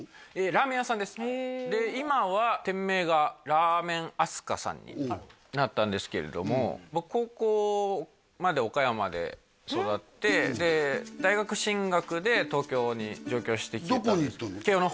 ラーメン屋さんですで今は店名がらーめん明日香さんになったんですけれども僕高校まで岡山で育ってで大学進学で東京に上京してどこに行ったの？